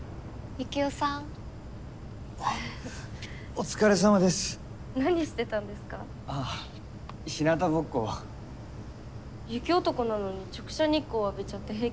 雪男なのに直射日光を浴びちゃって平気なんですか？